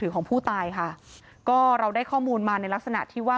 ก็เราได้ข้อมูลมาในลักษณะที่ว่า